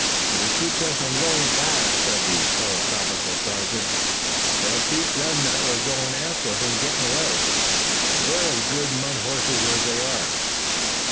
"If it keeps us from going fast," said the philosophical sergeant, "it'll keep them that we're goin' after from gettin' away. We're as good mud horses as they are."